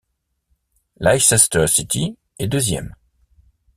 Leicester City est deuxième.